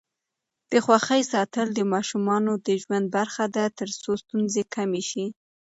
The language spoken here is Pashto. د خوښۍ ساتل د ماشومانو د ژوند برخه ده ترڅو ستونزې کمې شي.